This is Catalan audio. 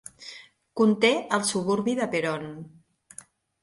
Conté el suburbi de Peron.